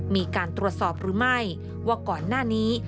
มีการตรวจสอบหรือไม่ว่าก่อนหน้านี้